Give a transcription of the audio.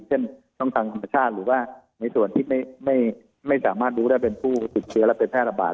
เช่นช่องทางธรรมชาติหรือว่าในส่วนที่ไม่สามารถรู้ได้เป็นผู้ติดเชื้อและเป็นแพร่ระบาด